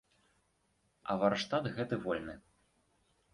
А варштат гэты вольны.